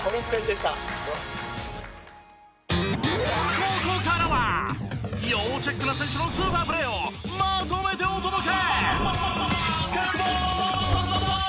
ここからは要チェックな選手のスーパープレーをまとめてお届け！